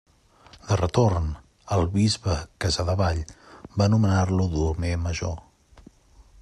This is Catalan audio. De retorn, el bisbe Casadevall va nomenar-lo domer major.